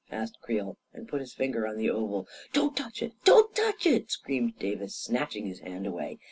" asked Creel, and put his finger on the oval. " Don't touch it ! Don't touch it I " screamed Davis, snatching his hand away.